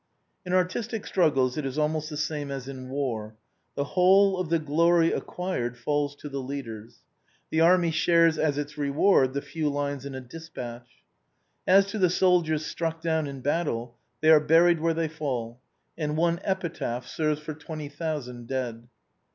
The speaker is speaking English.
In artistic struggles it is almost the same as in war, the vv'hole of the glory acquired falls to the leaders; the army shares as its reward the few lines in a despatch. As to the soldiers struck down in battle, they are buried where they fall, and one epitaph serves for twenty thousand dead.